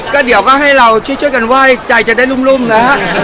ก็เดี๋ยวก็ให้เราช่วยกันไหว้ใจจะได้รุ่มนะ